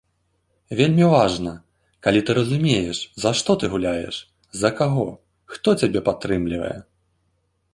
Вельмі важна, калі ты разумееш, за што ты гуляеш, за каго, хто цябе падтрымлівае.